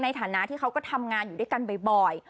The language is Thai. ในฐานะที่เขาก็ทำงานอยู่ด้วยกันบ่อย